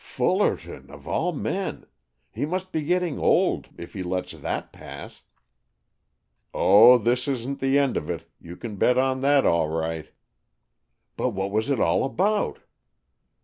"Fullerton, of all men! He must be getting old, if he lets that pass." "Oh, this isn't the end of it, you can bet on that all right." "But what was it all about?"